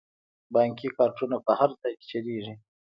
بانکي کارتونه په هر ځای کې چلیږي.